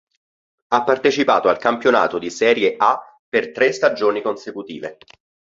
Ha partecipato al campionato di Serie A per tre stagioni consecutive.